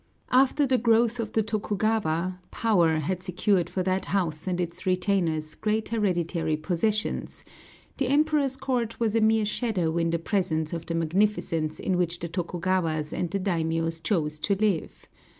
After the growth of the Tokugawa power had secured for that house and its retainers great hereditary possessions, the Emperor's court was a mere shadow in the presence of the magnificence in which the Tokugawas and the daimiōs chose to live.